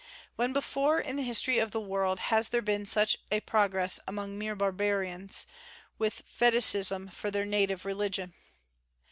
When before in the history of the world has there been such a progress among mere barbarians, with fetichism for their native religion?